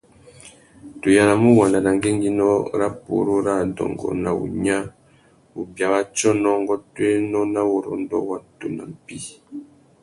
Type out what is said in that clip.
Tu yānamú uwanda nà ngüéngüinô râ purú râ adôngô nà wunya, wubia wa tsônô, ngôtōénô na wurrôndô watu nà mpí.